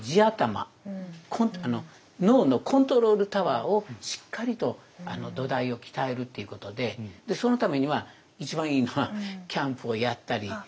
脳のコントロールタワーをしっかりと土台を鍛えるということでそのためには一番いいのはキャンプをやったり自然体験。